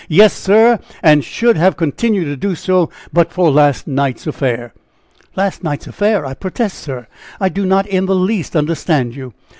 Yes, sir; and should have continued to do so, but for last night's affair." "Last night's affair! I protest, sir, I do not in the least understand you?"